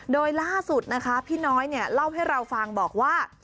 โดยล่าสุดพี่น้อยเล่าให้เราฟังบอกว่า